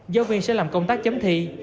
giáo viên sẽ làm công tác chấm thi